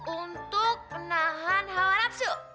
untuk menahan hawa nafsu